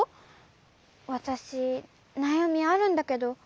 わたしなやみあるんだけど。